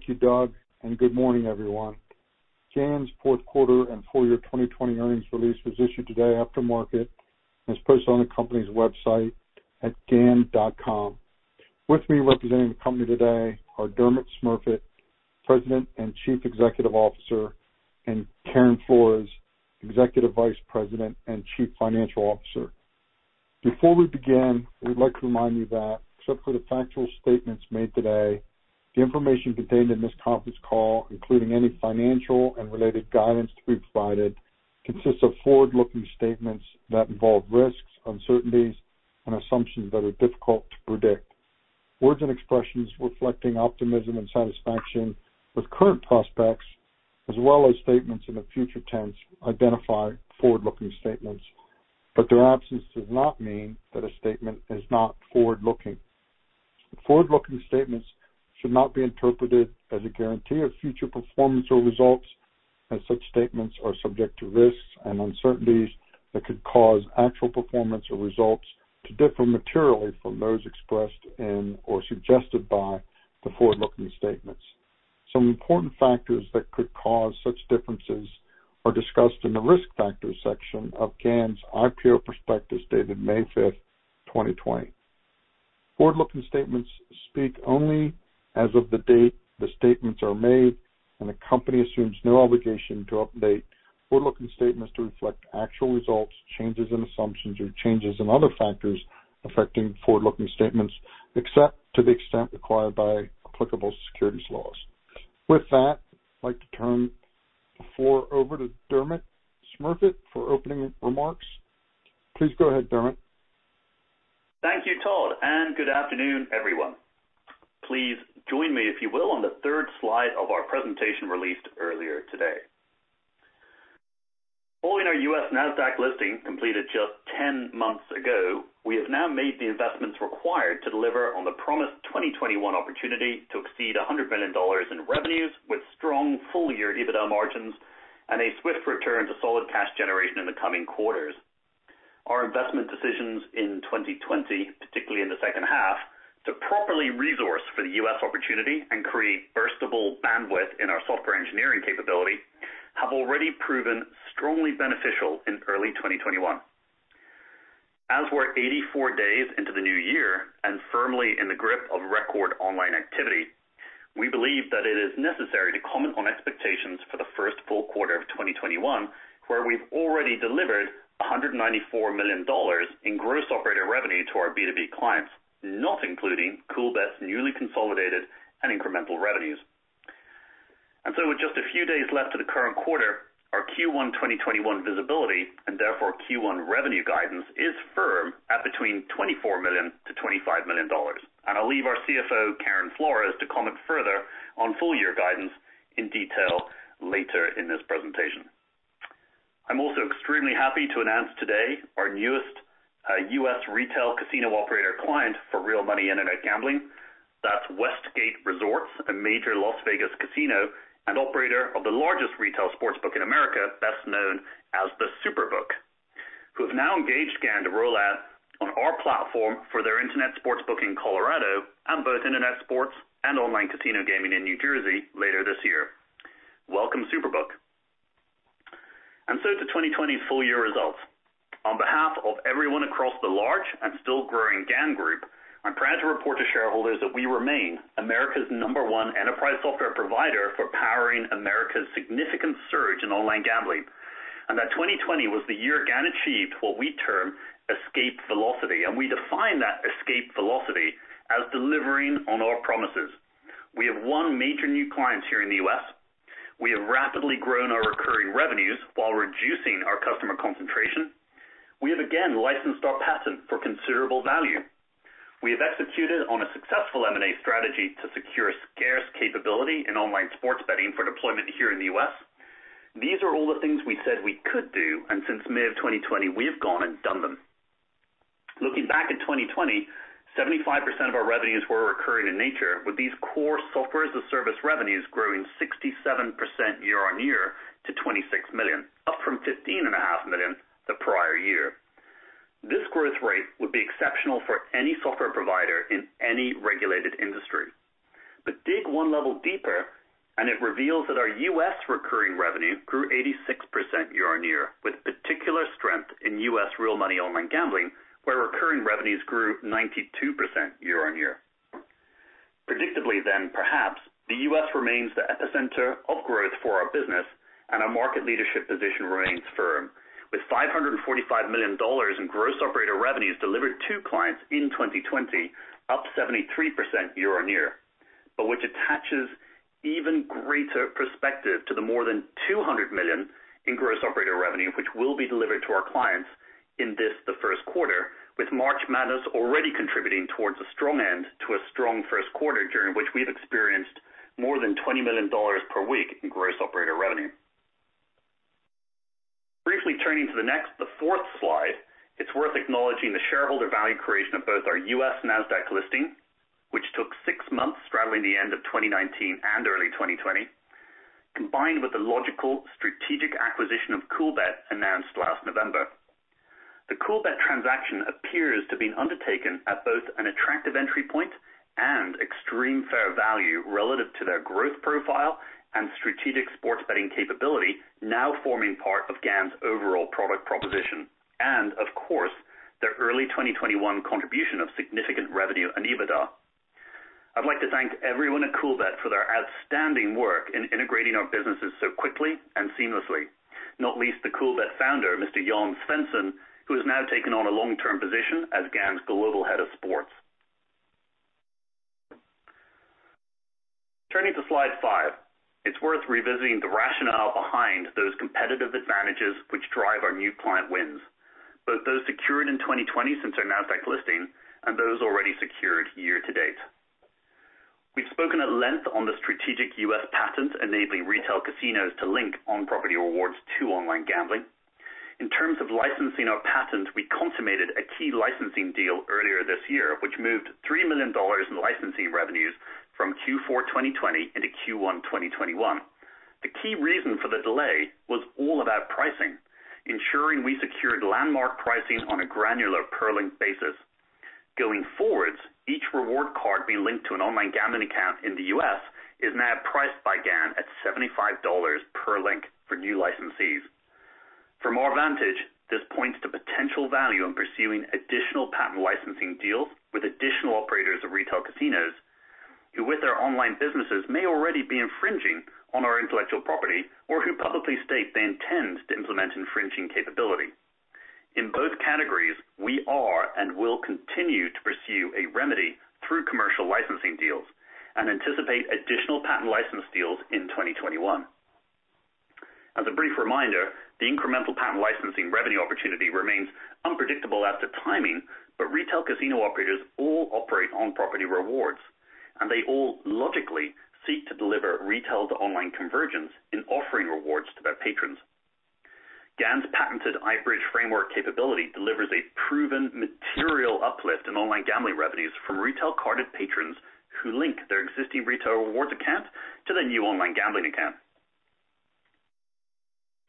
Thank you, Doug, and good morning, everyone. GAN's fourth quarter and full year 2020 earnings release was issued today after market and is posted on the company's website at GAN.com. With me representing the company today are Dermot Smurfit, President and Chief Executive Officer, and Karen Flores, Executive Vice President and Chief Financial Officer. Before we begin, we'd like to remind you that, except for the factual statements made today, the information contained in this conference call, including any financial and related guidance to be provided, consists of forward-looking statements that involve risks, uncertainties, and assumptions that are difficult to predict. Words and expressions reflecting optimism and satisfaction with current prospects, as well as statements in the future tense, identify forward-looking statements, but their absence does not mean that a statement is not forward-looking. Forward-looking statements should not be interpreted as a guarantee of future performance or results, as such statements are subject to risks and uncertainties that could cause actual performance or results to differ materially from those expressed in or suggested by the forward-looking statements. Some important factors that could cause such differences are discussed in the risk factors section of GAN's IPO prospectus dated May 5th, 2020. Forward-looking statements speak only as of the date the statements are made, and the company assumes no obligation to update forward-looking statements to reflect actual results, changes in assumptions, or changes in other factors affecting forward-looking statements, except to the extent required by applicable securities laws. With that, I'd like to turn the floor over to Dermot Smurfit for opening remarks. Please go ahead, Dermot. Thank you, Todd, and good afternoon, everyone. Please join me, if you will, on the third slide of our presentation released earlier today. Following our U.S. NASDAQ listing completed just 10 months ago, we have now made the investments required to deliver on the promised 2021 opportunity to exceed $100 million in revenues, with strong full-year EBITDA margins and a swift return to solid cash generation in the coming quarters. Our investment decisions in 2020, particularly in the second half, to properly resource for the U.S. opportunity and create burstable bandwidth in our software engineering capability have already proven strongly beneficial in early 2021. As we're 84 days into the new year and firmly in the grip of record online activity, we believe that it is necessary to comment on expectations for the first full quarter of 2021, where we've already delivered $194 million in gross operating revenue to our B2B clients, not including Coolbet's newly consolidated and incremental revenues. So, with just a few days left to the current quarter, our Q1 2021 visibility, and therefore Q1 revenue guidance, is firm at between $24 million-$25 million. I'll leave our CFO, Karen Flores, to comment further on full-year guidance in detail later in this presentation. I'm also extremely happy to announce today our newest U.S. retail casino operator client for real money internet gambling. That's Westgate Resorts, a major Las Vegas casino and operator of the largest retail sports book in America, best known as the SuperBook, who have now engaged GAN to roll out on our platform for their internet sports book in Colorado and both internet sports and online casino gaming in New Jersey later this year. Welcome, SuperBook. And so to 2020's full-year results. On behalf of everyone across the large and still growing GAN Group, I'm proud to report to shareholders that we remain America's number one enterprise software provider for powering America's significant surge in online gambling, and that 2020 was the year GAN achieved what we term escape velocity. And we define that escape velocity as delivering on our promises. We have won major new clients here in the U.S. We have rapidly grown our recurring revenues while reducing our customer concentration. We have again licensed our patent for considerable value. We have executed on a successful M&A strategy to secure scarce capability in online sports betting for deployment here in the U.S. These are all the things we said we could do, and since May of 2020, we have gone and done them. Looking back at 2020, 75% of our revenues were recurring in nature, with these core software-as-a-service revenues growing 67% year on year to $26 million, up from $15.5 million the prior year. This growth rate would be exceptional for any software provider in any regulated industry. But dig one level deeper, and it reveals that our U.S. recurring revenue grew 86% year on year, with particular strength in U.S. real money online gambling, where recurring revenues grew 92% year on year. Predictably, then, perhaps, the U.S. remains the epicenter of growth for our business, and our market leadership position remains firm, with $545 million in gross operator revenues delivered to clients in 2020, up 73% year on year, but which attaches even greater perspective to the more than $200 million in gross operator revenue, which will be delivered to our clients in this the first quarter, with March Madness already contributing towards a strong end to a strong first quarter, during which we've experienced more than $20 million per week in gross operator revenue. Briefly turning to the next, the fourth slide, it's worth acknowledging the shareholder value creation of both our U.S. NASDAQ listing, which took six months straddling the end of 2019 and early 2020, combined with the logical strategic acquisition of Coolbet announced last November. The Coolbet transaction appears to be undertaken at both an attractive entry point and extreme fair value relative to their growth profile and strategic sports betting capability, now forming part of GAN's overall product proposition, and, of course, their early 2021 contribution of significant revenue and EBITDA. I'd like to thank everyone at Coolbet for their outstanding work in integrating our businesses so quickly and seamlessly, not least the Coolbet founder, Mr. Jan Svendsen, who has now taken on a long-term position as GAN's global head of sports. Turning to slide five, it's worth revisiting the rationale behind those competitive advantages which drive our new client wins, both those secured in 2020 since our NASDAQ listing and those already secured year to date. We've spoken at length on the strategic U.S. patent enabling retail casinos to link on-property rewards to online gambling. In terms of licensing our patent, we consummated a key licensing deal earlier this year, which moved $3 million in licensing revenues from Q4 2020 into Q1 2021. The key reason for the delay was all about pricing, ensuring we secured landmark pricing on a granular per-link basis. Going forwards, each reward card being linked to an online gambling account in the U.S. is now priced by GAN at $75 per link for new licensees. For more advantage, this points to potential value in pursuing additional patent licensing deals with additional operators of retail casinos who, with their online businesses, may already be infringing on our intellectual property or who publicly state they intend to implement infringing capability. In both categories, we are and will continue to pursue a remedy through commercial licensing deals and anticipate additional patent license deals in 2021. As a brief reminder, the incremental patent licensing revenue opportunity remains unpredictable as to timing, but retail casino operators all operate on-property rewards, and they all logically seek to deliver retail to online convergence in offering rewards to their patrons. GAN's patented iBridge framework capability delivers a proven material uplift in online gambling revenues from retail carded patrons who link their existing retail rewards account to their new online gambling account.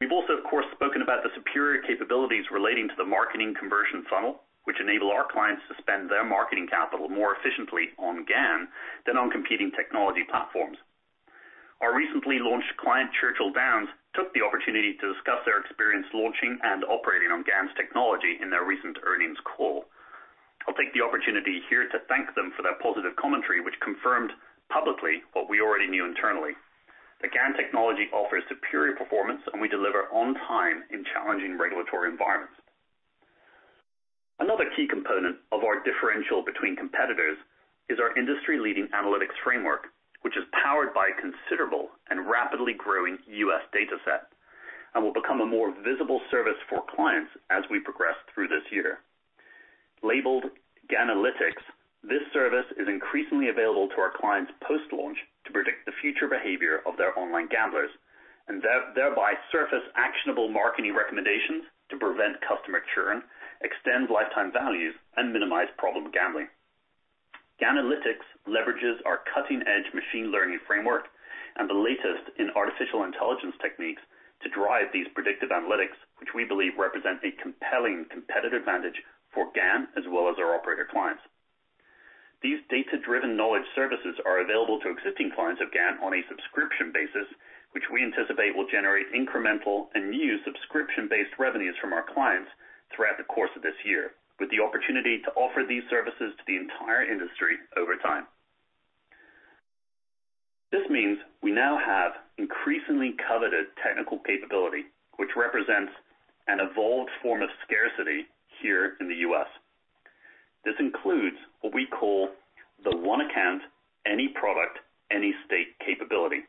We've also, of course, spoken about the superior capabilities relating to the marketing conversion funnel, which enable our clients to spend their marketing capital more efficiently on GAN than on competing technology platforms. Our recently launched client, Churchill Downs, took the opportunity to discuss their experience launching and operating on GAN's technology in their recent earnings call. I'll take the opportunity here to thank them for their positive commentary, which confirmed publicly what we already knew internally. The GAN technology offers superior performance, and we deliver on time in challenging regulatory environments. Another key component of our differential between competitors is our industry-leading analytics framework, which is powered by a considerable and rapidly growing U.S. data set and will become a more visible service for clients as we progress through this year. Labeled GANalytics, this service is increasingly available to our clients post-launch to predict the future behavior of their online gamblers and thereby surface actionable marketing recommendations to prevent customer churn, extend lifetime values, and minimize problem gambling. GANalytics leverages our cutting-edge machine learning framework and the latest in artificial intelligence techniques to drive these predictive analytics, which we believe represent a compelling competitive advantage for GAN as well as our operator clients. These data-driven knowledge services are available to existing clients of GAN on a subscription basis, which we anticipate will generate incremental and new subscription-based revenues from our clients throughout the course of this year, with the opportunity to offer these services to the entire industry over time. This means we now have increasingly coveted technical capability, which represents an evolved form of scarcity here in the U.S. This includes what we call the one-account, any-product, any-state capability,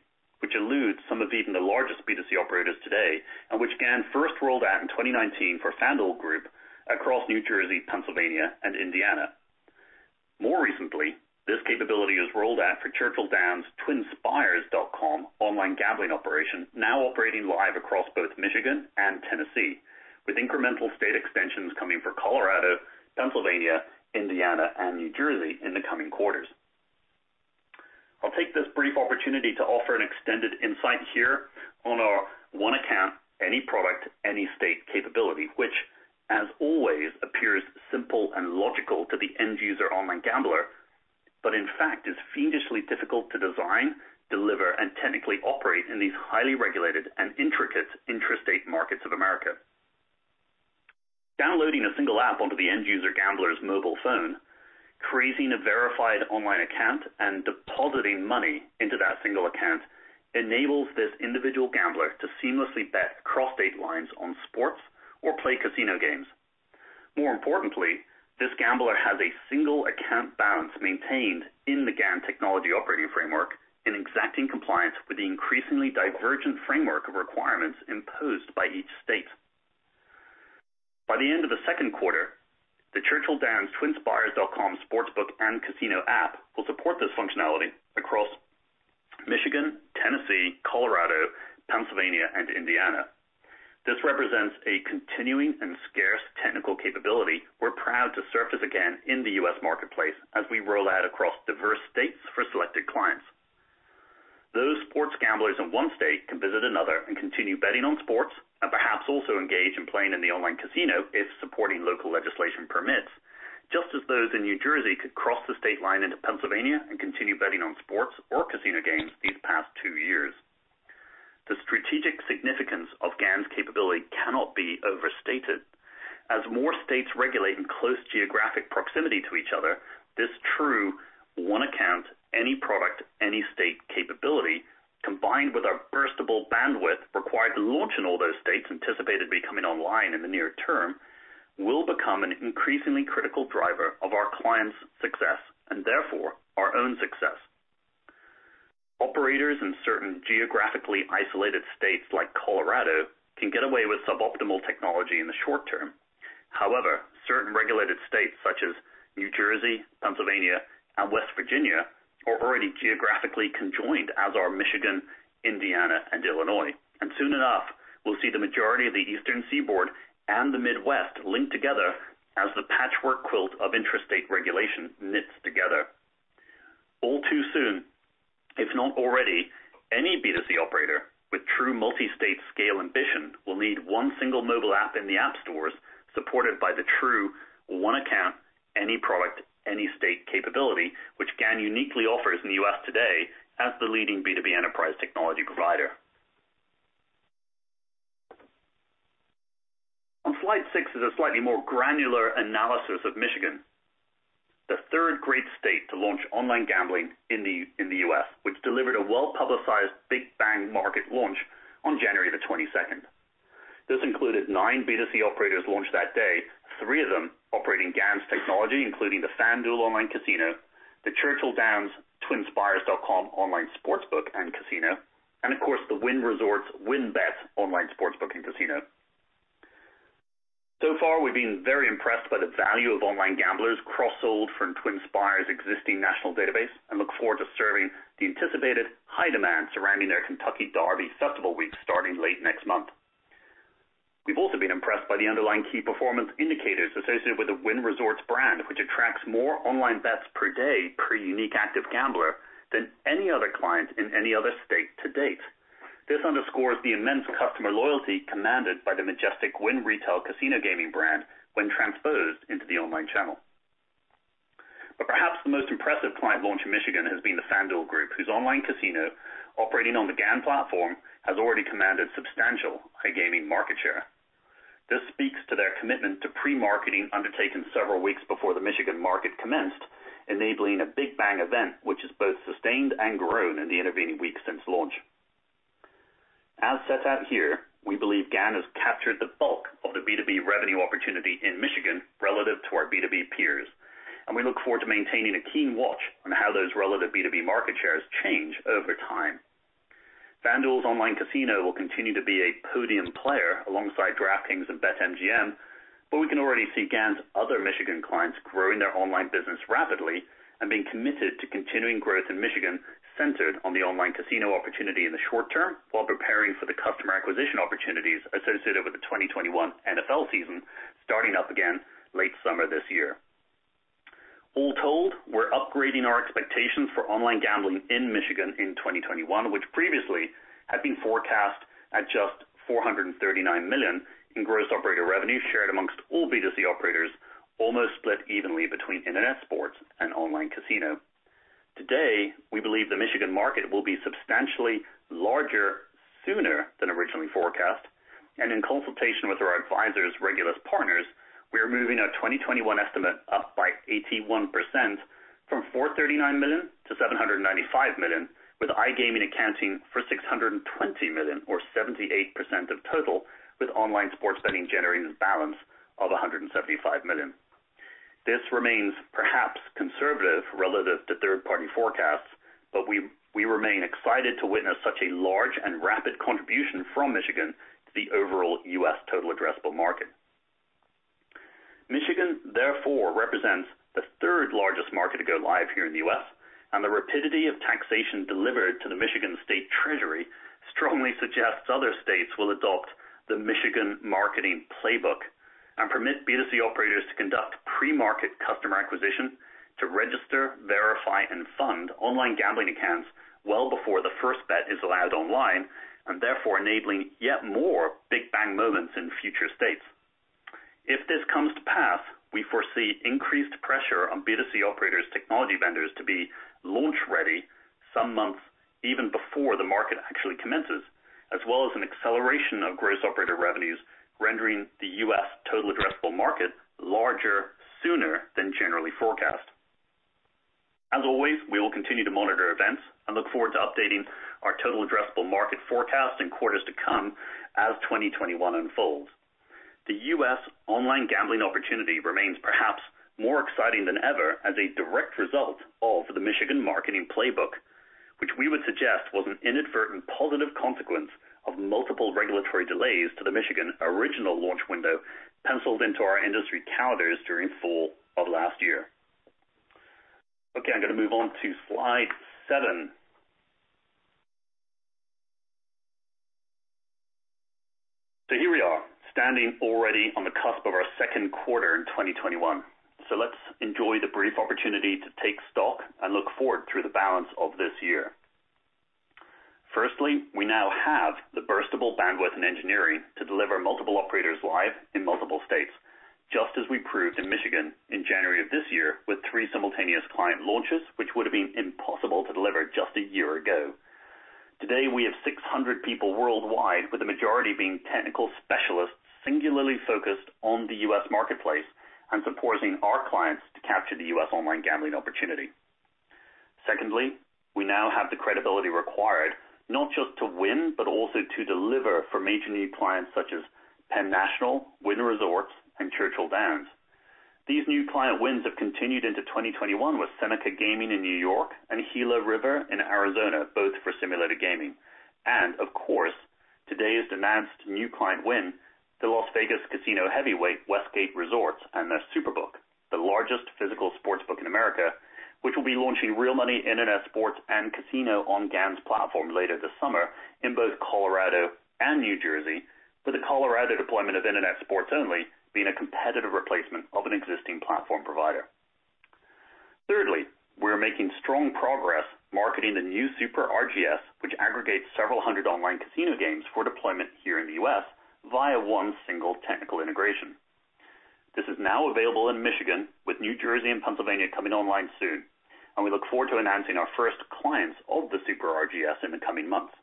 which eludes some of even the largest B2C operators today and which GAN first rolled out in 2019 for FanDuel Group across New Jersey, Pennsylvania, and Indiana. More recently, this capability was rolled out for Churchill Downs' TwinSpires.com online gambling operation, now operating live across both Michigan and Tennessee, with incremental state extensions coming for Colorado, Pennsylvania, Indiana, and New Jersey in the coming quarters. I'll take this brief opportunity to offer an extended insight here on our One-Account, Any-Product, Any-State capability, which, as always, appears simple and logical to the end user online gambler, but in fact is fiendishly difficult to design, deliver, and technically operate in these highly regulated and intricate interstate markets of America. Downloading a single app onto the end user gambler's mobile phone, creating a verified online account, and depositing money into that single account enables this individual gambler to seamlessly bet cross-state lines on sports or play casino games. More importantly, this gambler has a single account balance maintained in the GAN technology operating framework in exacting compliance with the increasingly divergent framework of requirements imposed by each state. By the end of the second quarter, the Churchill Downs' TwinSpires.com sports book and casino app will support this functionality across Michigan, Tennessee, Colorado, Pennsylvania, and Indiana. This represents a continuing and scarce technical capability we're proud to surface again in the U.S. marketplace as we roll out across diverse states for selected clients. Those sports gamblers in one state can visit another and continue betting on sports and perhaps also engage in playing in the online casino if supporting local legislation permits, just as those in New Jersey could cross the state line into Pennsylvania and continue betting on sports or casino games these past two years. The strategic significance of GAN's capability cannot be overstated. As more states regulate in close geographic proximity to each other, this true one-account, any-product, any-state capability, combined with our burstable bandwidth required to launch in all those states anticipated to be coming online in the near term, will become an increasingly critical driver of our clients' success and therefore our own success. Operators in certain geographically isolated states like Colorado can get away with suboptimal technology in the short term. However, certain regulated states such as New Jersey, Pennsylvania, and West Virginia are already geographically conjoined as are Michigan, Indiana, and Illinois, and soon enough, we'll see the majority of the Eastern Seaboard and the Midwest linked together as the patchwork quilt of interstate regulation knits together. All too soon, if not already, any B2C operator with true multi-state scale ambition will need one single mobile app in the app stores supported by the true one-account, any-product, any-state capability, which GAN uniquely offers in the U.S. today as the leading B2B enterprise technology provider. On slide six is a slightly more granular analysis of Michigan, the third great state to launch online gambling in the U.S., which delivered a well-publicized Big Bang market launch on January the 22nd. This included nine B2C operators launched that day, three of them operating GAN's technology, including the FanDuel online casino, the Churchill Downs' TwinSpires.com online sportsbook and casino, and of course, the Wynn Resorts' WynnBET online sportsbook and casino. So far, we've been very impressed by the value of online gamblers cross-sold from TwinSpires' existing national database and look forward to serving the anticipated high demand surrounding their Kentucky Derby Festival week starting late next month. We've also been impressed by the underlying key performance indicators associated with the Wynn Resorts' brand, which attracts more online bets per day per unique active gambler than any other client in any other state to date. This underscores the immense customer loyalty commanded by the majestic Wynn Resorts Casino Gaming brand when transposed into the online channel. But perhaps the most impressive client launch in Michigan has been the FanDuel Group, whose online casino operating on the GAN platform has already commanded substantial iGaming market share. This speaks to their commitment to pre-marketing undertaken several weeks before the Michigan market commenced, enabling a Big Bang event, which has both sustained and grown in the intervening weeks since launch. As set out here, we believe GAN has captured the bulk of the B2B revenue opportunity in Michigan relative to our B2B peers, and we look forward to maintaining a keen watch on how those relative B2B market shares change over time. FanDuel's online casino will continue to be a podium player alongside DraftKings and BetMGM, but we can already see GAN's other Michigan clients growing their online business rapidly and being committed to continuing growth in Michigan centered on the online casino opportunity in the short term while preparing for the customer acquisition opportunities associated with the 2021 NFL season starting up again late summer this year. All told, we're upgrading our expectations for online gambling in Michigan in 2021, which previously had been forecast at just $439 million in gross operator revenue shared amongst all B2C operators, almost split evenly between internet sports and online casino. Today, we believe the Michigan market will be substantially larger sooner than originally forecast, and in consultation with our advisors, Regulus Partners, we are moving our 2021 estimate up by 81% from $439 million to $795 million, with iGaming accounting for $620 million, or 78% of total, with online sports betting generating a balance of $175 million. This remains perhaps conservative relative to third-party forecasts, but we remain excited to witness such a large and rapid contribution from Michigan to the overall U.S. total addressable market. Michigan, therefore, represents the third largest market to go live here in the U.S., and the rapidity of taxation delivered to the Michigan State Treasury strongly suggests other states will adopt the Michigan marketing playbook and permit B2C operators to conduct pre-market customer acquisition to register, verify, and fund online gambling accounts well before the first bet is allowed online, and therefore enabling yet more Big Bang moments in future states. If this comes to pass, we foresee increased pressure on B2C operators' technology vendors to be launch-ready some months even before the market actually commences, as well as an acceleration of gross operator revenues rendering the U.S. total addressable market larger sooner than generally forecast. As always, we will continue to monitor events and look forward to updating our total addressable market forecast in quarters to come as 2021 unfolds. The U.S. online gambling opportunity remains perhaps more exciting than ever as a direct result of the Michigan marketing playbook, which we would suggest was an inadvertent positive consequence of multiple regulatory delays to the Michigan original launch window penciled into our industry calendars during fall of last year. Okay, I'm going to move on to slide seven. So here we are, standing already on the cusp of our second quarter in 2021. So let's enjoy the brief opportunity to take stock and look forward through the balance of this year. Firstly, we now have the burstable bandwidth and engineering to deliver multiple operators live in multiple states, just as we proved in Michigan in January of this year with three simultaneous client launches, which would have been impossible to deliver just a year ago. Today, we have 600 people worldwide, with the majority being technical specialists singularly focused on the U.S. marketplace and supporting our clients to capture the U.S. online gambling opportunity. Secondly, we now have the credibility required not just to win, but also to deliver for major new clients such as Penn National, Wynn Resorts, and Churchill Downs. These new client wins have continued into 2021 with Seneca Gaming in New York and Gila River in Arizona, both for Simulated Gaming. And of course, today's announced new client win to Las Vegas casino heavyweight, Westgate Resorts, and their SuperBook, the largest physical sports book in America, which will be launching real money internet sports and casino on GAN's platform later this summer in both Colorado and New Jersey, with the Colorado deployment of internet sports only being a competitive replacement of an existing platform provider. Thirdly, we're making strong progress marketing the new Super RGS, which aggregates several hundred online casino games for deployment here in the U.S. via one single technical integration. This is now available in Michigan, with New Jersey and Pennsylvania coming online soon, and we look forward to announcing our first clients of the Super RGS in the coming months.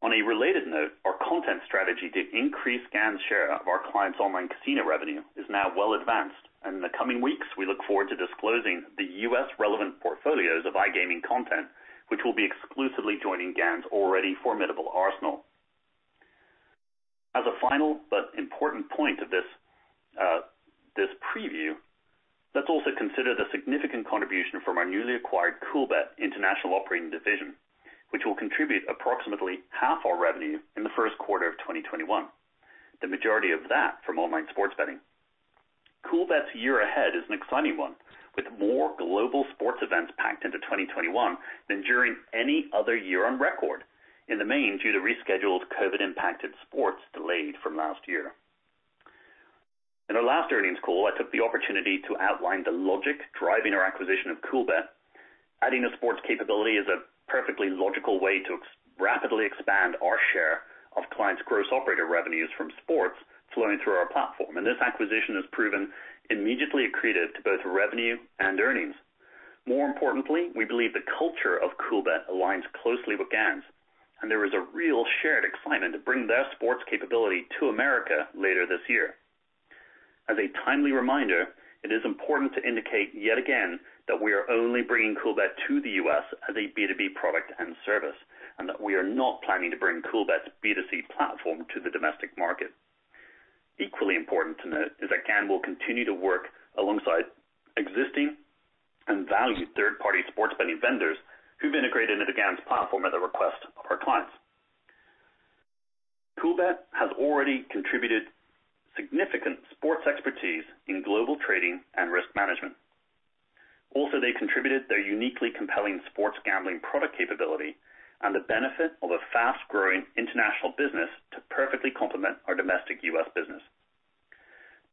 On a related note, our content strategy to increase GAN's share of our clients' online casino revenue is now well advanced, and in the coming weeks, we look forward to disclosing the U.S.-relevant portfolios of iGaming content, which will be exclusively joining GAN's already formidable arsenal. As a final but important point of this preview, let's also consider the significant contribution from our newly acquired Coolbet International Operating Division, which will contribute approximately half our revenue in the first quarter of 2021, the majority of that from online sports betting. Coolbet's year ahead is an exciting one, with more global sports events packed into 2021 than during any other year on record, in the main due to rescheduled COVID-impacted sports delayed from last year. In our last earnings call, I took the opportunity to outline the logic driving our acquisition of Coolbet, adding a sports capability as a perfectly logical way to rapidly expand our share of clients' gross operator revenues from sports flowing through our platform. And this acquisition has proven immediately accretive to both revenue and earnings. More importantly, we believe the culture of Coolbet aligns closely with GAN's, and there is a real shared excitement to bring their sports capability to America later this year. As a timely reminder, it is important to indicate yet again that we are only bringing Coolbet to the U.S. as a B2B product and service, and that we are not planning to bring Coolbet's B2C platform to the domestic market. Equally important to note is that GAN will continue to work alongside existing and valued third-party sports betting vendors who've integrated into GAN's platform at the request of our clients. Coolbet has already contributed significant sports expertise in global trading and risk management. Also, they contributed their uniquely compelling sports gambling product capability and the benefit of a fast-growing international business to perfectly complement our domestic U.S. business.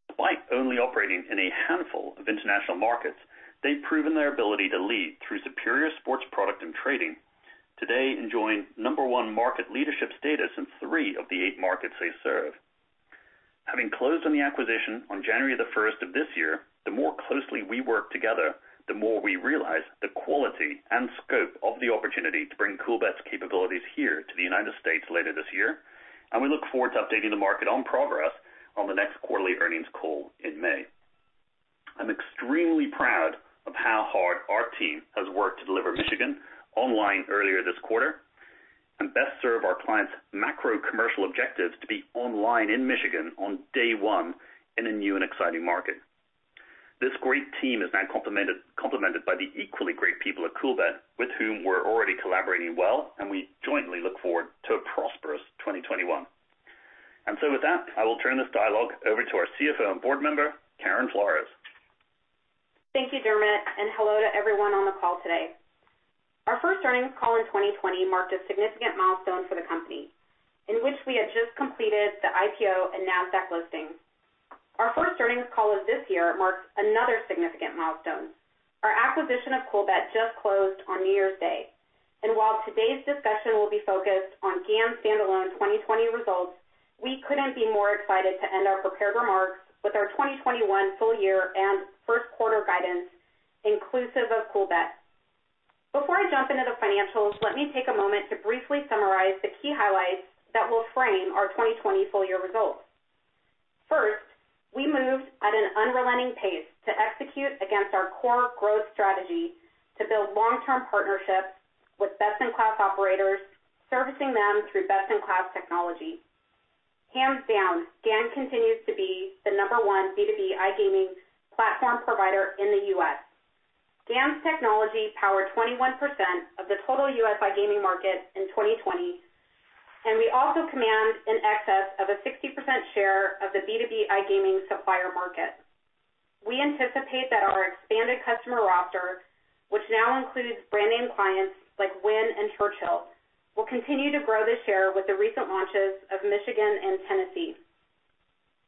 Despite only operating in a handful of international markets, they've proven their ability to lead through superior sports product and trading, today enjoying number one market leadership status in three of the eight markets they serve. Having closed on the acquisition on January the 1st of this year, the more closely we work together, the more we realize the quality and scope of the opportunity to bring Coolbet's capabilities here to the United States later this year, and we look forward to updating the market on progress on the next quarterly earnings call in May. I'm extremely proud of how hard our team has worked to deliver Michigan online earlier this quarter and best serve our clients' macro commercial objectives to be online in Michigan on day one in a new and exciting market. This great team is now complemented by the equally great people at Coolbet, with whom we're already collaborating well, and we jointly look forward to a prosperous 2021. With that, I will turn this dialogue over to our CFO and board member, Karen Flores. Thank you, Dermot, and hello to everyone on the call today. Our first earnings call in 2020 marked a significant milestone for the company, in which we had just completed the IPO and NASDAQ listing. Our first earnings call of this year marked another significant milestone. Our acquisition of Coolbet just closed on New Year's Day, and while today's discussion will be focused on GAN standalone 2020 results, we couldn't be more excited to end our prepared remarks with our 2021 full year and first quarter guidance inclusive of Coolbet. Before I jump into the financials, let me take a moment to briefly summarize the key highlights that will frame our 2020 full year results. First, we moved at an unrelenting pace to execute against our core growth strategy to build long-term partnerships with best-in-class operators, servicing them through best-in-class technology. Hands down, GAN continues to be the number one B2B iGaming platform provider in the U.S. GAN's technology powered 21% of the total U.S. iGaming market in 2020, and we also command an excess of a 60% share of the B2B iGaming supplier market. We anticipate that our expanded customer roster, which now includes brand-name clients like Wynn and Churchill, will continue to grow the share with the recent launches of Michigan and Tennessee.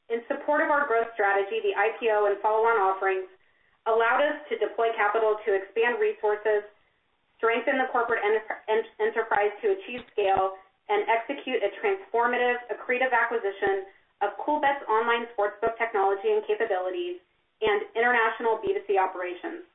In support of our growth strategy, the IPO and follow-on offerings allowed us to deploy capital to expand resources, strengthen the corporate enterprise to achieve scale, and execute a transformative, accretive acquisition of Coolbet's online sportsbook technology and capabilities and international B2C operations.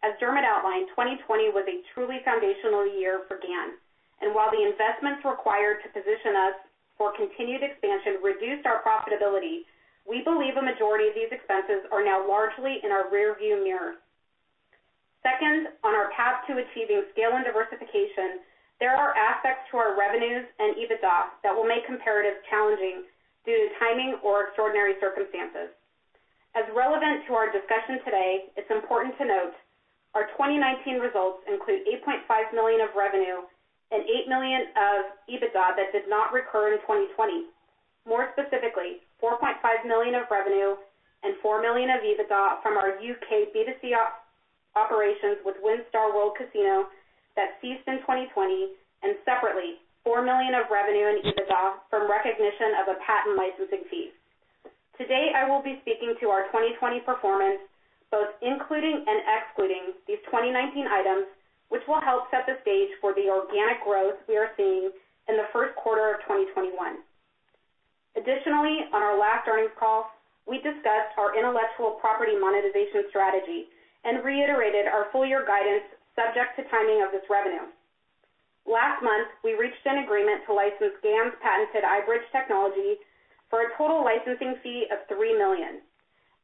As Dermot outlined, 2020 was a truly foundational year for GAN, and while the investments required to position us for continued expansion reduced our profitability, we believe a majority of these expenses are now largely in our rearview mirror. Second, on our path to achieving scale and diversification, there are aspects to our revenues and EBITDA that will make comparatives challenging due to timing or extraordinary circumstances. As relevant to our discussion today, it's important to note our 2019 results include $8.5 million of revenue and $8 million of EBITDA that did not recur in 2020. More specifically, $4.5 million of revenue and $4 million of EBITDA from our UK B2C operations with WinStar World Casino that ceased in 2020, and separately, $4 million of revenue and EBITDA from recognition of a patent licensing fee. Today, I will be speaking to our 2020 performance, both including and excluding these 2019 items, which will help set the stage for the organic growth we are seeing in the first quarter of 2021. Additionally, on our last earnings call, we discussed our intellectual property monetization strategy and reiterated our full year guidance subject to timing of this revenue. Last month, we reached an agreement to license GAN's patented iBridge technology for a total licensing fee of $3 million.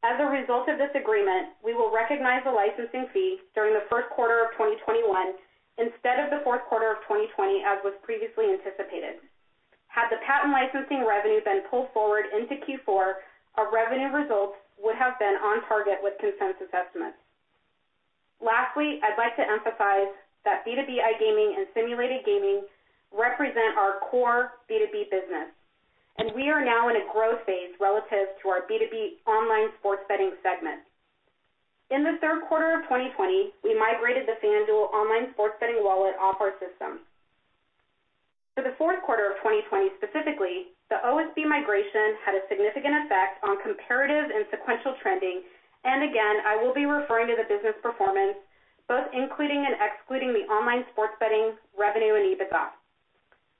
As a result of this agreement, we will recognize the licensing fee during the first quarter of 2021 instead of the fourth quarter of 2020, as was previously anticipated. Had the patent licensing revenue been pulled forward into Q4, our revenue results would have been on target with consensus estimates. Lastly, I'd like to emphasize that B2B iGaming and simulated gaming represent our core B2B business, and we are now in a growth phase relative to our B2B online sports betting segment. In the third quarter of 2020, we migrated the FanDuel online sports betting wallet off our system. For the fourth quarter of 2020 specifically, the OSB migration had a significant effect on comparative and sequential trending, and again, I will be referring to the business performance, both including and excluding the online sports betting revenue and EBITDA.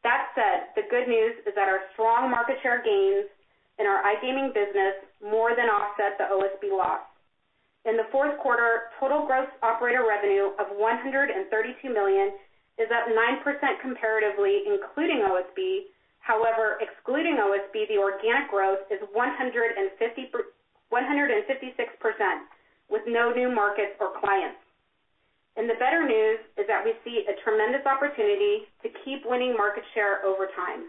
That said, the good news is that our strong market share gains in our iGaming business more than offset the OSB loss. In the fourth quarter, total gross operator revenue of $132 million is up 9% comparatively, including OSB. However, excluding OSB, the organic growth is 156%, with no new markets or clients. The better news is that we see a tremendous opportunity to keep winning market share over time,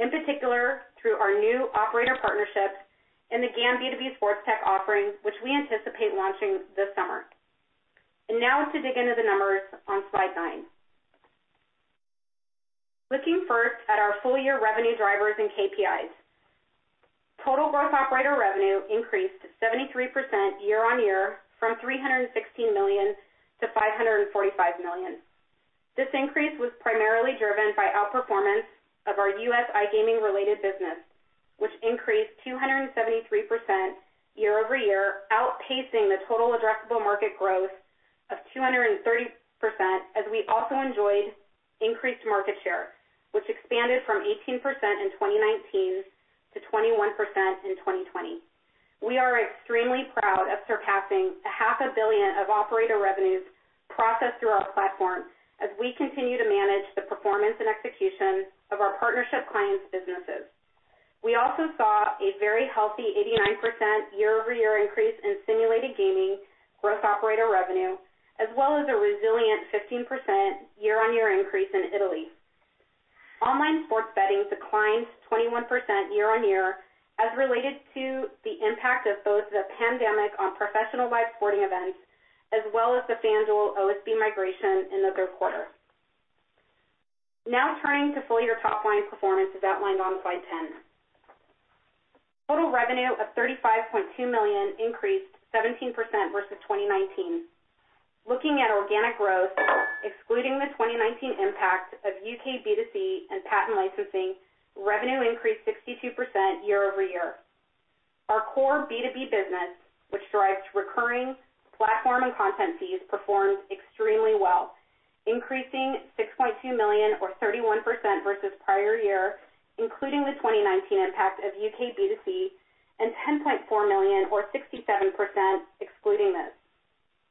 in particular through our new operator partnerships and the GAN B2B Sports Tech offering, which we anticipate launching this summer. Now to dig into the numbers on slide nine. Looking first at our full-year revenue drivers and KPIs, total gross operator revenue increased 73% year on year from $316 million- $545 million. This increase was primarily driven by outperformance of our U.S. iGaming-related business, which increased 273% year over year, outpacing the total addressable market growth of 230%, as we also enjoyed increased market share, which expanded from 18% in 2019 - 21% in 2020. We are extremely proud of surpassing $500 million of operator revenues processed through our platform as we continue to manage the performance and execution of our partnership clients' businesses. We also saw a very healthy 89% year-over-year increase in simulated gaming gross operator revenue, as well as a resilient 15% year-on-year increase in Italy. Online sports betting declined 21% year-on-year as related to the impact of both the pandemic on professional live sporting events, as well as the FanDuel OSB migration in the third quarter. Now turning to full year top line performance as outlined on slide 10. Total revenue of $35.2 million increased 17% versus 2019. Looking at organic growth, excluding the 2019 impact of UK B2C and patent licensing, revenue increased 62% year-over-year. Our core B2B business, which drives recurring platform and content fees, performed extremely well, increasing $6.2 million, or 31% versus prior year, including the 2019 impact of UK B2C, and $10.4 million, or 67%, excluding this.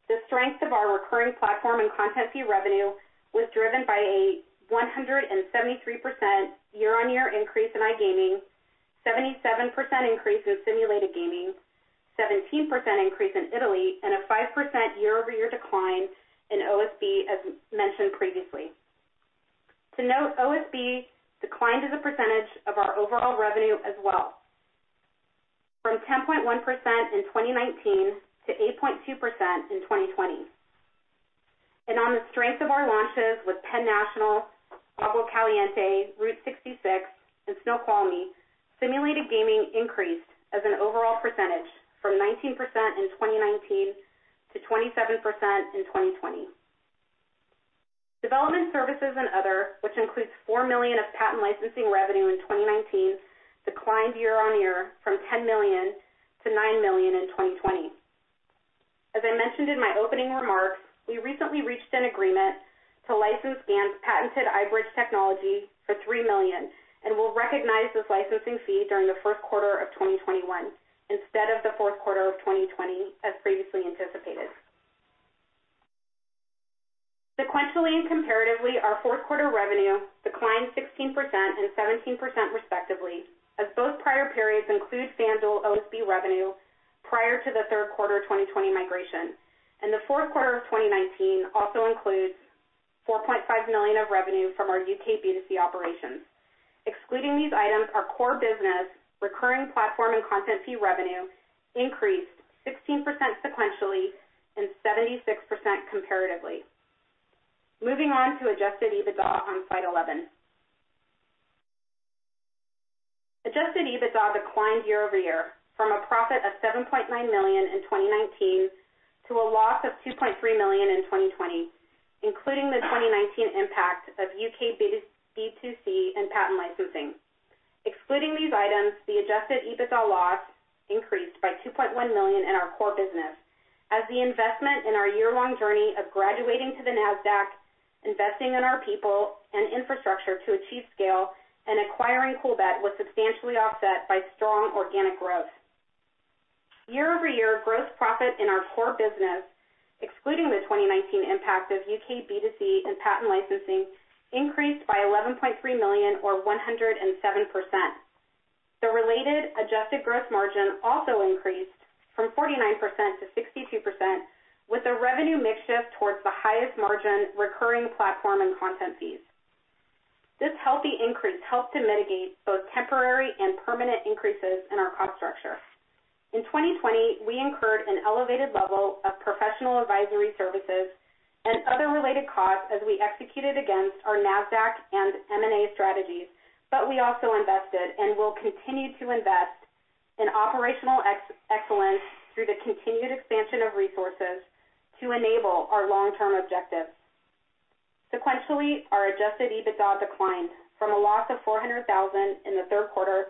The strength of our recurring platform and content fee revenue was driven by a 173% year-on-year increase in iGaming, 77% increase in simulated gaming, 17% increase in Italy, and a 5% year-over-year decline in OSB, as mentioned previously. To note, OSB declined as a percentage of our overall revenue as well, from 10.1% in 2019 to 8.2% in 2020. On the strength of our launches with Penn National, Agua Caliente, Route 66, and Snoqualmie, simulated gaming increased as an overall percentage from 19% in 2019- 27% in 2020. Development services and others, which includes $4 million of patent licensing revenue in 2019, declined year-on-year from $10 million to $9 million in 2020. As I mentioned in my opening remarks, we recently reached an agreement to license GAN's patented iBridge technology for $3 million and will recognize this licensing fee during the first quarter of 2021 instead of the fourth quarter of 2020, as previously anticipated. Sequentially and comparatively, our fourth quarter revenue declined 16% and 17% respectively, as both prior periods include FanDuel OSB revenue prior to the third quarter 2020 migration, and the fourth quarter of 2019 also includes $4.5 million of revenue from our UK B2C operations. Excluding these items, our core business, recurring platform and content fee revenue, increased 16% sequentially and 76% comparatively. Moving on to adjusted EBITDA on slide 11. Adjusted EBITDA declined year-over-year from a profit of $7.9 million in 2019 to a loss of $2.3 million in 2020, including the 2019 impact of UK B2C and patent licensing. Excluding these items, the adjusted EBITDA loss increased by $2.1 million in our core business, as the investment in our year-long journey of graduating to the NASDAQ, investing in our people and infrastructure to achieve scale, and acquiring Coolbet was substantially offset by strong organic growth. Year-over-year gross profit in our core business, excluding the 2019 impact of UK B2C and patent licensing, increased by $11.3 million, or 107%. The related adjusted gross margin also increased from 49%-62%, with the revenue mixture towards the highest margin recurring platform and content fees. This healthy increase helped to mitigate both temporary and permanent increases in our cost structure. In 2020, we incurred an elevated level of professional advisory services and other related costs as we executed against our NASDAQ and M&A strategies, but we also invested and will continue to invest in operational excellence through the continued expansion of resources to enable our long-term objectives. Sequentially, our adjusted EBITDA declined from a loss of $400,000 in the third quarter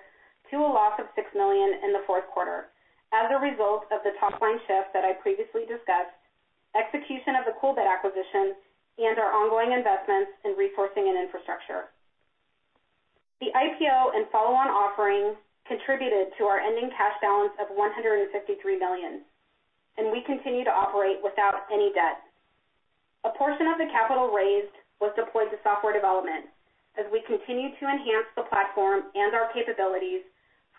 to a loss of $6 million in the fourth quarter, as a result of the top line shift that I previously discussed, execution of the Coolbet acquisition, and our ongoing investments in resourcing and infrastructure. The IPO and follow-on offering contributed to our ending cash balance of $153 million, and we continue to operate without any debt. A portion of the capital raised was deployed to software development as we continue to enhance the platform and our capabilities,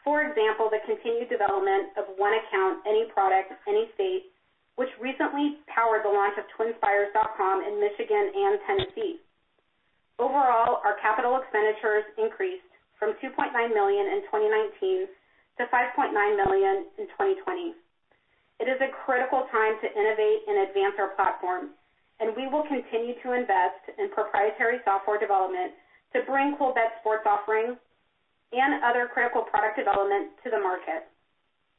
for example, the continued development of One-Account, Any-Product, Any-State, which recently powered the launch of TwinSpires.com in Michigan and Tennessee. Overall, our capital expenditures increased from $2.9 million in 2019-$5.9 million in 2020. It is a critical time to innovate and advance our platform, and we will continue to invest in proprietary software development to bring Coolbet sports offerings and other critical product development to the market.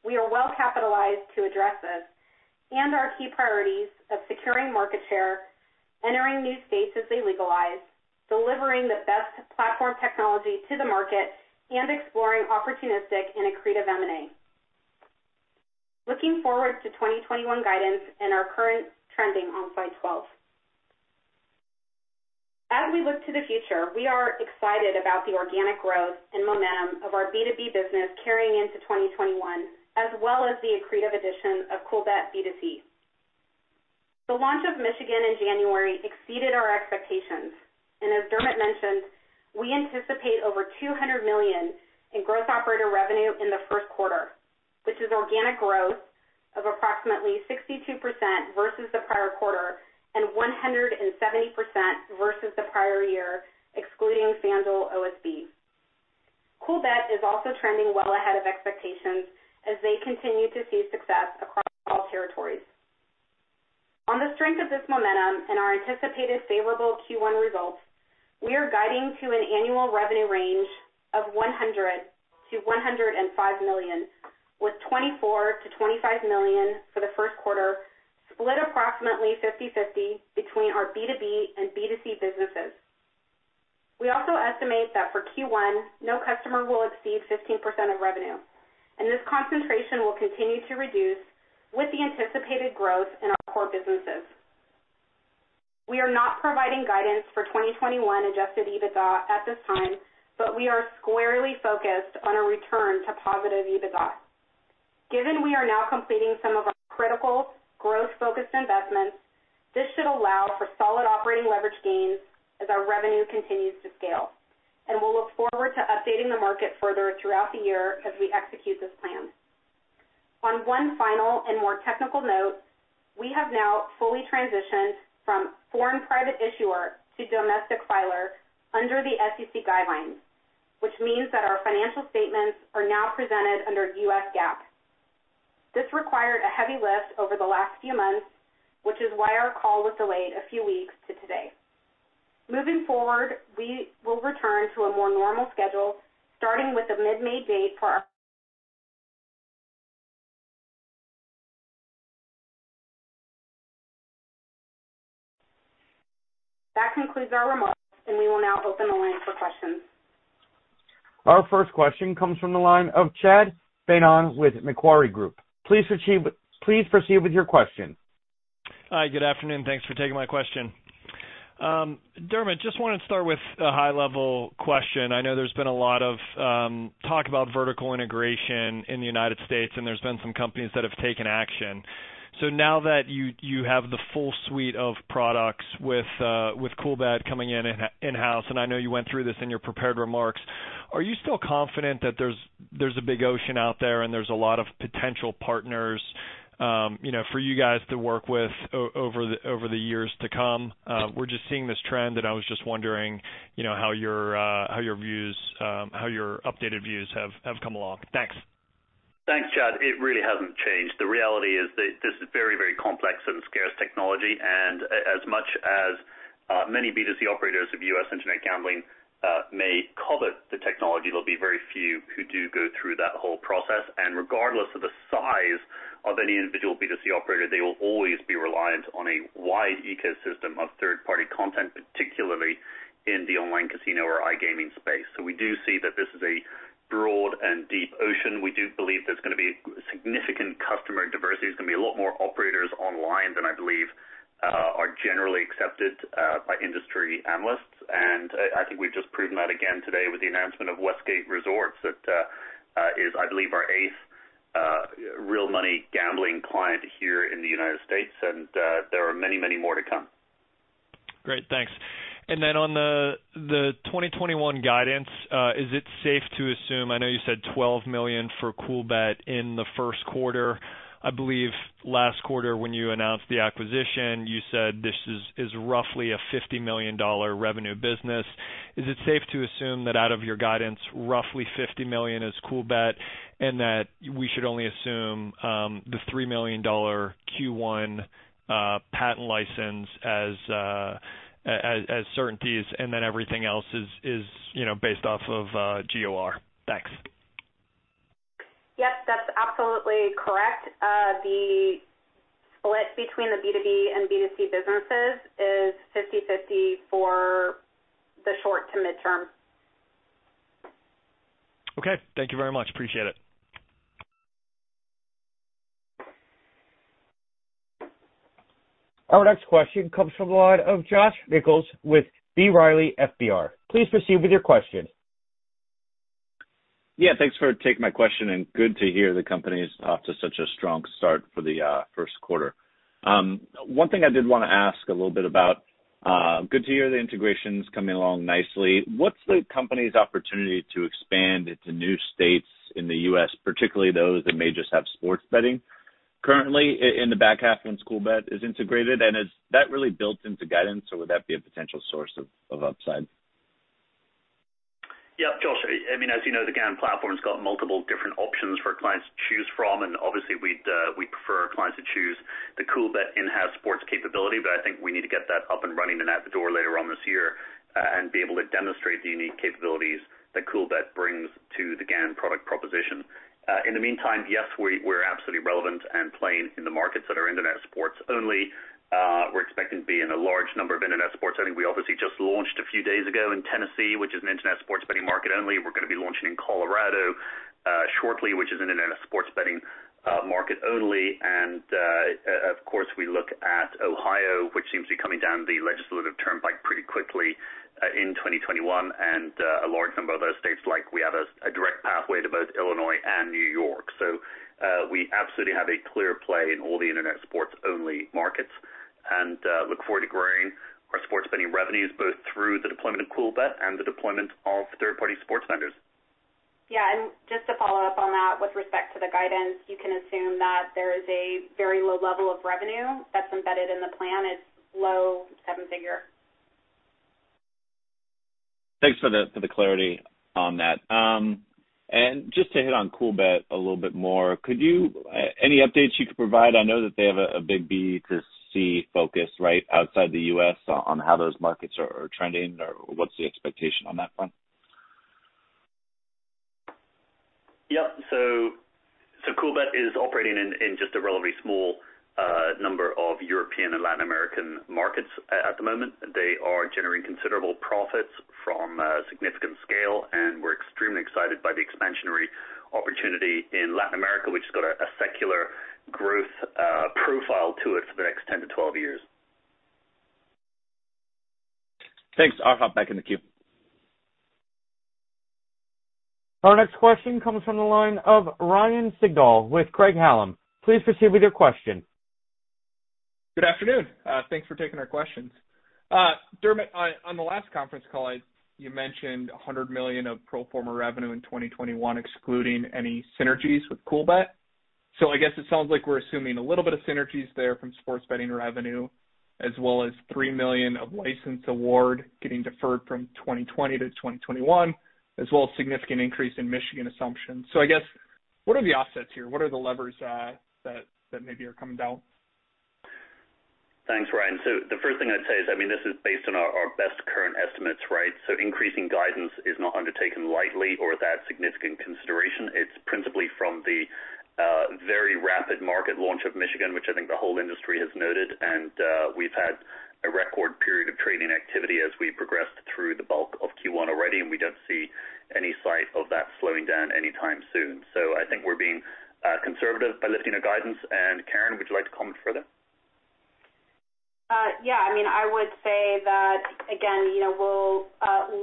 We are well capitalized to address this and our key priorities of securing market share, entering new states as they legalize, delivering the best platform technology to the market, and exploring opportunistic and accretive M&A. Looking forward to 2021 guidance and our current trending on slide 12. As we look to the future, we are excited about the organic growth and momentum of our B2B business carrying into 2021, as well as the accretive addition of Coolbet B2C. The launch of Michigan in January exceeded our expectations, and as Dermot mentioned, we anticipate over $200 million in gross operator revenue in the first quarter, which is organic growth of approximately 62% versus the prior quarter and 170% versus the prior year, excluding FanDuel OSB. Coolbet is also trending well ahead of expectations as they continue to see success across all territories. On the strength of this momentum and our anticipated favorable Q1 results, we are guiding to an annual revenue range of $100-$105 million, with $24-$25 million for the first quarter split approximately 50/50 between our B2B and B2C businesses. We also estimate that for Q1, no customer will exceed 15% of revenue, and this concentration will continue to reduce with the anticipated growth in our core businesses. We are not providing guidance for 2021 adjusted EBITDA at this time, but we are squarely focused on a return to positive EBITDA. Given we are now completing some of our critical growth-focused investments, this should allow for solid operating leverage gains as our revenue continues to scale, and we'll look forward to updating the market further throughout the year as we execute this plan. On one final and more technical note, we have now fully transitioned from foreign private issuer to domestic filer under the SEC guidelines, which means that our financial statements are now presented under U.S. GAAP. This required a heavy lift over the last few months, which is why our call was delayed a few weeks to today. Moving forward, we will return to a more normal schedule, starting with the mid-May date for our... That concludes our remarks, and we will now open the line for questions. Our first question comes from the line of Chad Beynon with Macquarie Group. Please proceed with your question. Hi, good afternoon. Thanks for taking my question. Dermot, just wanted to start with a high-level question. I know there's been a lot of talk about vertical integration in the United States, and there's been some companies that have taken action. So now that you have the full suite of products with Coolbet coming in-house, and I know you went through this in your prepared remarks, are you still confident that there's a big ocean out there and there's a lot of potential partners for you guys to work with over the years to come? We're just seeing this trend, and I was just wondering how your updated views have come along. Thanks. Thanks, Chad. It really hasn't changed. The reality is that this is very, very complex and scarce technology, and as much as many B2C operators of U.S. Internet Gambling may cover the technology, there'll be very few who do go through that whole process. Regardless of the size of any individual B2C operator, they will always be reliant on a wide ecosystem of third-party content, particularly in the online casino or iGaming space. So we do see that this is a broad and deep ocean. We do believe there's going to be significant customer diversity. There's going to be a lot more operators online than I believe are generally accepted by industry analysts. I think we've just proven that again today with the announcement of Westgate Resorts, that is, I believe, our eighth real money gambling client here in the United States, and there are many, many more to come. Great. Thanks. Then on the 2021 guidance, is it safe to assume? I know you said $12 million for Coolbet in the first quarter. I believe last quarter when you announced the acquisition, you said this is roughly a $50 million revenue business. Is it safe to assume that out of your guidance, roughly $50 million is Coolbet, and that we should only assume the $3 million Q1 patent license as certainties, and then everything else is based off of GOR? Thanks. Yep, that's absolutely correct. The split between the B2B and B2C businesses is 50/50 for the short to midterm. Okay. Thank you very much. Appreciate it. Our next question comes from the line of Josh Nichols with B. Riley FBR. Please proceed with your question. Yeah. Thanks for taking my question, and good to hear the company's off to such a strong start for the first quarter. One thing I did want to ask a little bit about, good to hear the integrations coming along nicely. What's the company's opportunity to expand into new states in the U.S., particularly those that may just have sports betting currently in the back half when Coolbet is integrated? And is that really built into the guidance, or would that be a potential source of upside? Yeah. Josh, I mean, as you know, the GAN platform's got multiple different options for clients to choose from, and obviously, we'd prefer clients to choose the Coolbet in-house sports capability, but I think we need to get that up and running and out the door later on this year and be able to demonstrate the unique capabilities that Coolbet brings to the GAN product proposition. In the meantime, yes, we're absolutely relevant and playing in the markets that are internet sports only. We're expecting to be in a large number of internet sports. I think we obviously just launched a few days ago in Tennessee, which is an internet sports betting market only. We're going to be launching in Colorado shortly, which is an internet sports betting market only. Of course, we look at Ohio, which seems to be coming down the legislative turnpike pretty quickly in 2021, and a large number of other states, like we have a direct pathway to both Illinois and New York. We absolutely have a clear play in all the internet sports-only markets and look forward to growing our sports betting revenues both through the deployment of Coolbet and the deployment of third-party sports vendors. Yeah. Just to follow up on that, with respect to the guidance, you can assume that there is a very low level of revenue that's embedded in the plan. It's low, seven-figure. Thanks for the clarity on that. Just to hit on Coolbet a little bit more, any updates you could provide? I know that they have a big B2C focus right outside the U.S. on how those markets are trending or what's the expectation on that front Yep. So Coolbet is operating in just a relatively small number of European and Latin American markets at the moment. They are generating considerable profits from significant scale, and we're extremely excited by the expansionary opportunity in Latin America, which has got a secular growth profile to it for the next 10 to 12 years. Thanks. I'll hop back in the queue. Our next question comes from the line of Ryan Sigdahl with Craig-Hallum. Please proceed with your question. Good afternoon. Thanks for taking our questions. Dermot, on the last conference call, you mentioned $100 million of pro forma revenue in 2021, excluding any synergies with Coolbet. So I guess it sounds like we're assuming a little bit of synergies there from sports betting revenue, as well as $3 million of license award getting deferred from 2020 to 2021, as well as a significant increase in Michigan assumptions. So I guess, what are the offsets here? What are the levers that maybe are coming down? Thanks, Ryan. So the first thing I'd say is, I mean, this is based on our best current estimates, right? So increasing guidance is not undertaken lightly or without significant consideration. It's principally from the very rapid market launch of Michigan, which I think the whole industry has noted, and we've had a record period of trading activity as we progressed through the bulk of Q1 already, and we don't see any sight of that slowing down anytime soon. So I think we're being conservative by lifting our guidance. Karen, would you like to comment further? Yeah. I mean, I would say that, again, we'll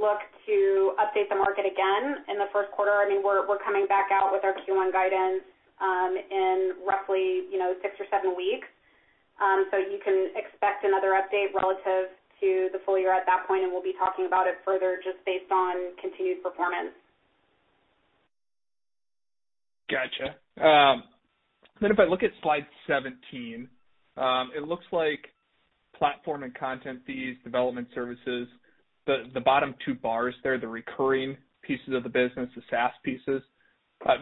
look to update the market again in the first quarter. I mean, we're coming back out with our Q1 guidance in roughly six or seven weeks. So you can expect another update relative to the full year at that point, and we'll be talking about it further just based on continued performance. Gotcha. If I look at Slide 17, it looks like platform and content fees, development services, the bottom two bars there, the recurring pieces of the business, the SaaS pieces,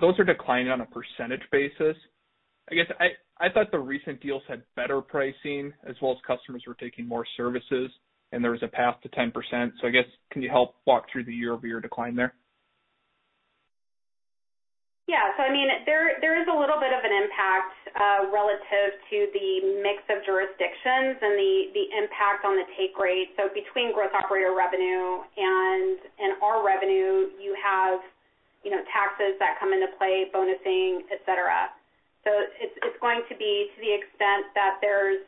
those are declining on a percentage basis. I guess I thought the recent deals had better pricing, as well as customers were taking more services, and there was a path to 10%. So I guess, can you help walk through the year-over-year decline there? Yeah. So I mean, there is a little bit of an impact relative to the mix of jurisdictions and the impact on the take rate. So between gross operator revenue and our revenue, you have taxes that come into play, bonusing, etc. So it's going to be to the extent that there's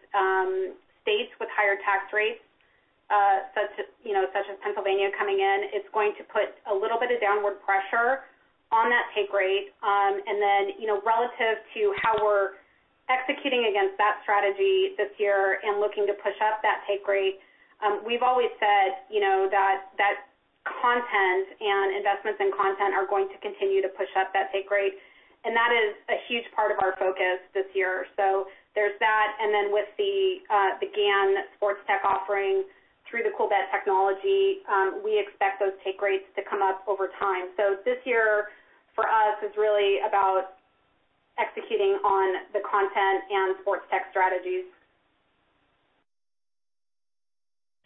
states with higher tax rates, such as Pennsylvania coming in, it's going to put a little bit of downward pressure on that take rate. And then relative to how we're executing against that strategy this year and looking to push up that take rate, we've always said that content and investments in content are going to continue to push up that take rate, and that is a huge part of our focus this year. So there's that. And then with the GAN sports tech offering through the Coolbet technology, we expect those take rates to come up over time. So this year for us is really about executing on the content and sports tech strategies.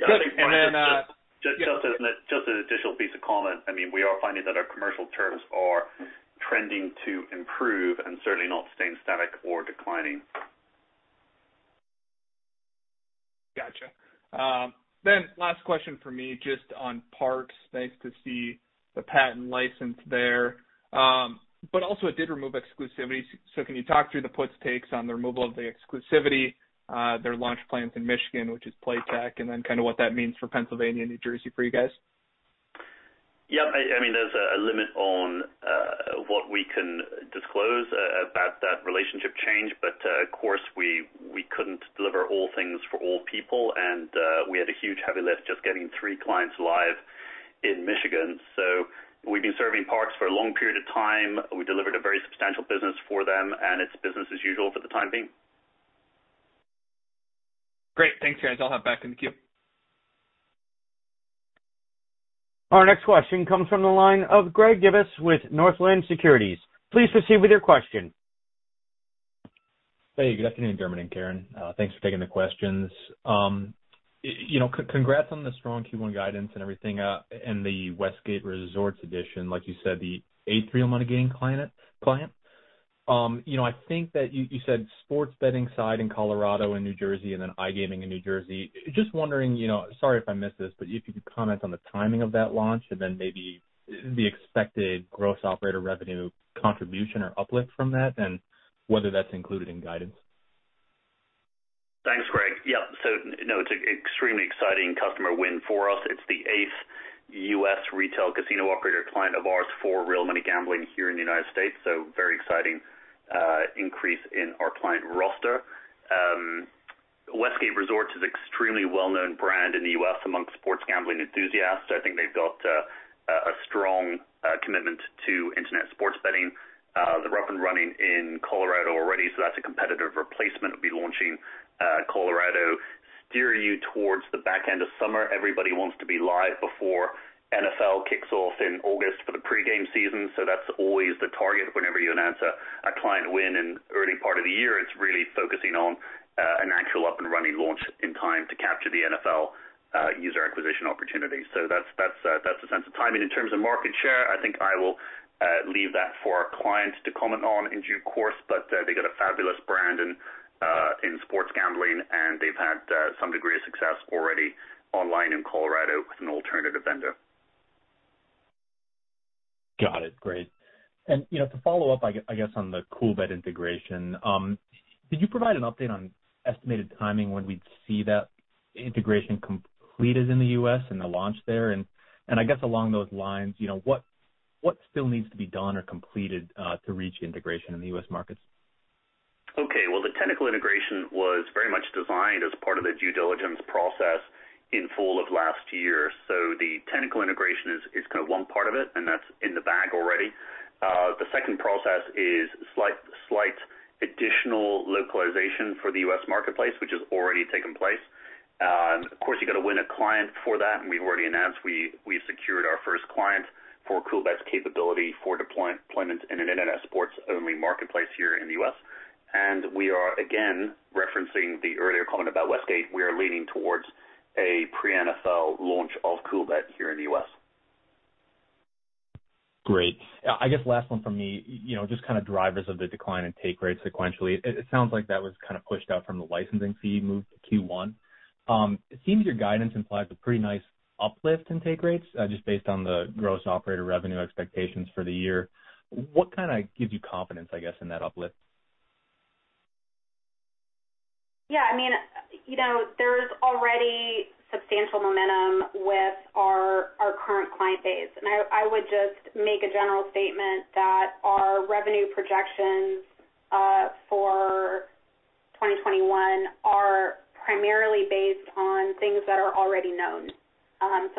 Yeah. And then just an additional piece of comment, I mean, we are finding that our commercial turns are trending to improve and certainly not staying static or declining. Gotcha. Then last question for me, just on Parx. Nice to see the patent license there. But also, it did remove exclusivity. So can you talk through the puts, takes on the removal of the exclusivity, their launch plans in Michigan, which is Playtech, and then kind of what that means for Pennsylvania and New Jersey for you guys? Yep. I mean, there's a limit on what we can disclose about that relationship change, but of course, we couldn't deliver all things for all people, and we had a huge heavy lift just getting three clients live in Michigan. So we've been serving Parx for a long period of time. We delivered a very substantial business for them, and it's business as usual for the time being. Great. Thanks, guys. I'll hop back in the queue. Our next question comes from the line of Greg Gibas with Northland Securities. Please proceed with your question. Hey, good afternoon, Dermot and Karen. Thanks for taking the questions. Congrats on the strong Q1 guidance and everything and the Westgate Resorts addition. Like you said, the eighth real money gaming client. I think that you said sports betting side in Colorado and New Jersey and then iGaming in New Jersey. Just wondering, sorry if I missed this, but if you could comment on the timing of that launch and then maybe the expected gross operator revenue contribution or uplift from that and whether that's included in guidance. Thanks, Greg. Yep. So no, it's an extremely exciting customer win for us. It's the eighth U.S. retail casino operator client of ours for real money gambling here in the United States. So very exciting increase in our client roster. Westgate Resorts is an extremely well-known brand in the U.S. amongst sports gambling enthusiasts. I think they've got a strong commitment to internet sports betting. They're up and running in Colorado already, so that's a competitive replacement. We'll be launching Colorado shortly towards the back end of summer. Everybody wants to be live before NFL kicks off in August for the preseason. So that's always the target whenever you announce a client win in the early part of the year. It's really focusing on an actual up and running launch in time to capture the NFL user acquisition opportunity. So that's a sense of timing. In terms of market share, I think I will leave that for our client to comment on in due course, but they've got a fabulous brand in sports gambling, and they've had some degree of success already online in Colorado with an alternative vendor. Got it. Great, and to follow up, I guess, on the Coolbet integration, could you provide an update on estimated timing when we'd see that integration completed in the U.S. and the launch there? And I guess along those lines, what still needs to be done or completed to reach integration in the U.S. markets? Okay, well, the technical integration was very much designed as part of the due diligence process in the fall of last year. So the technical integration is kind of one part of it, and that's in the bag already. The second process is slight additional localization for the U.S. marketplace, which has already taken place. Of course, you've got to win a client for that, and we've already announced we've secured our first client for Coolbet's capability for deployment in an internet sports-only marketplace here in the U.S., and we are, again, referencing the earlier comment about Westgate. We are leaning towards a pre-NFL launch of Coolbet here in the U.S. Great. I guess last one from me, just kind of drivers of the decline in take rates sequentially. It sounds like that was kind of pushed out from the licensing fee move to Q1. It seems your guidance implies a pretty nice uplift in take rates just based on the gross operator revenue expectations for the year. What kind of gives you confidence, I guess, in that uplift? Yeah. I mean, there is already substantial momentum with our current client base. And I would just make a general statement that our revenue projections for 2021 are primarily based on things that are already known.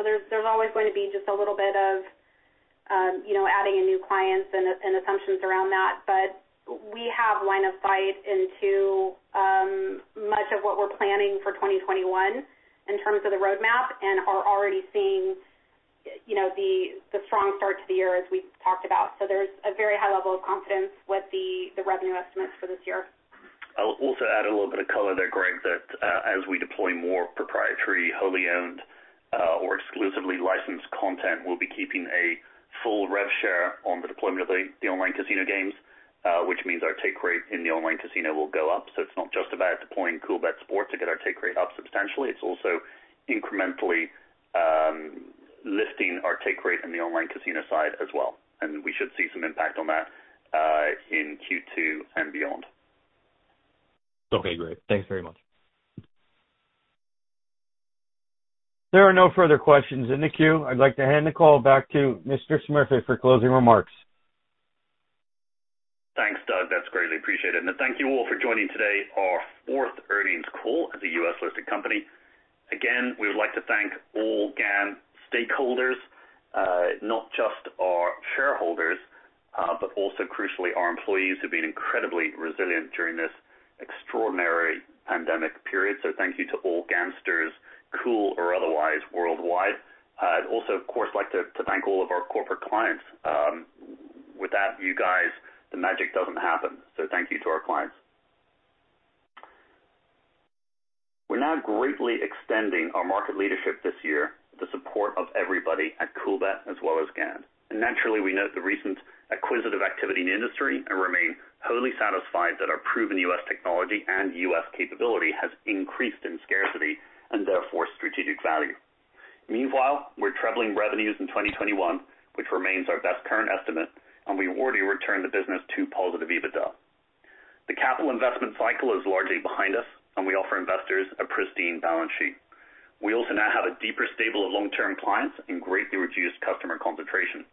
So there's always going to be just a little bit of adding in new clients and assumptions around that. But we have line of sight into much of what we're planning for 2021 in terms of the roadmap and are already seeing the strong start to the year as we talked about. So there's a very high level of confidence with the revenue estimates for this year. I'll also add a little bit of color there, Greg, that as we deploy more proprietary, wholly owned, or exclusively licensed content, we'll be keeping a full rev share on the deployment of the online casino games, which means our take rate in the online casino will go up. So it's not just about deploying Coolbet Sports to get our take rate up substantially. It's also incrementally lifting our take rate in the online casino side as well. And we should see some impact on that in Q2 and beyond. Okay. Great. Thanks very much. There are no further questions in the queue. I'd like to hand the call back to Mr. Smurfit for closing remarks. Thanks, Doug. That's greatly appreciated. And thank you all for joining today our fourth earnings call as a U.S.-listed company. Again, we would like to thank all GAN stakeholders, not just our shareholders, but also crucially our employees who've been incredibly resilient during this extraordinary pandemic period. So thank you to all GANsters, cool or otherwise, worldwide. Also, of course, I'd like to thank all of our corporate clients. Without you guys, the magic doesn't happen. So thank you to our clients. We're now greatly extending our market leadership this year with the support of everybody at Coolbet as well as GAN. And naturally, we note the recent acquisitive activity in the industry and remain wholly satisfied that our proven U.S. technology and U.S. capability has increased in scarcity and therefore strategic value. Meanwhile, we're trailing revenues in 2021, which remains our best current estimate, and we've already returned the business to positive EBITDA. The capital investment cycle is largely behind us, and we offer investors a pristine balance sheet. We also now have a deeper stable of long-term clients and greatly reduced customer concentration.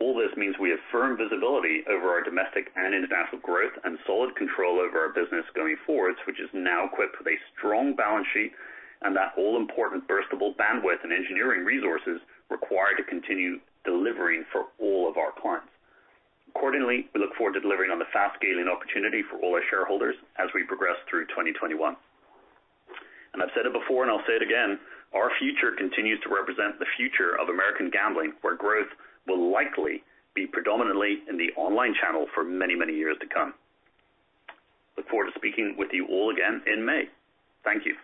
All this means we have firm visibility over our domestic and international growth and solid control over our business going forward, which is now equipped with a strong balance sheet and that all-important burstable bandwidth and engineering resources required to continue delivering for all of our clients. Accordingly, we look forward to delivering on the fast-scaling opportunity for all our shareholders as we progress through 2021. And I've said it before, and I'll say it again, our future continues to represent the future of American gambling, where growth will likely be predominantly in the online channel for many, many years to come. Look forward to speaking with you all again in May. Thank you.